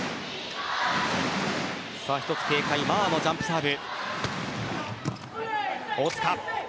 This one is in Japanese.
１つ警戒マーのジャンプサーブ。